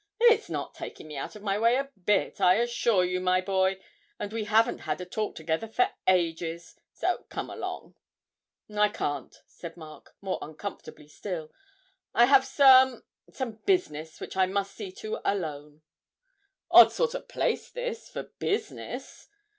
'It's not taking me out of my way a bit. I assure you, my boy, and we haven't had a talk together for ages, so come along.' 'I can't,' said Mark, more uncomfortably still. 'I have some some business which I must see to alone.' 'Odd sort of place this for business!